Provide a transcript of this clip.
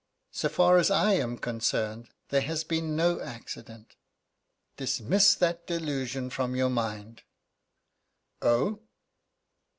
So far as I am concerned there has been no accident. Dismiss that delusion from your mind." "Oh!"